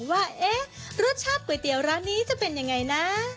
ว่ารสชาติก๋วยเตี๋ยวร้านนี้จะเป็นยังไงนะ